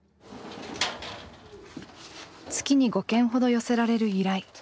月に５件ほど寄せられる依頼。